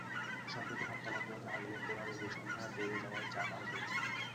সম্প্রতি হরতাল-অবরোধের আগুনে পোড়া রোগীর সংখ্যা বেড়ে যাওয়ায় চাপ আরও বেড়েছে।